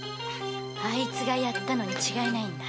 あいつがやったのに違いないんだ。